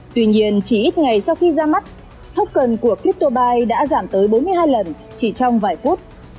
tuy nhiên chỉ ít ngày sau khi ra mắt thốc cần của cryptobuy đã giảm tới bốn mươi hai lần chỉ trong vài phút